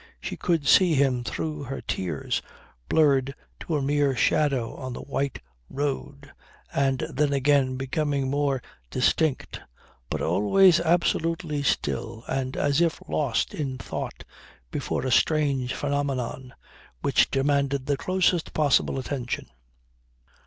She could see him through her tears, blurred to a mere shadow on the white road, and then again becoming more distinct, but always absolutely still and as if lost in thought before a strange phenomenon which demanded the closest possible attention.